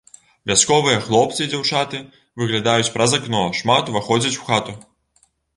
Вясковыя хлопцы і дзяўчаты выглядаюць праз акно, шмат уваходзяць у хату.